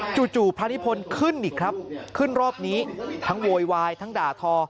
จู่พระนิพนธ์ขึ้นอีกครับขึ้นรอบนี้ทั้งโวยวายทั้งด่าทอ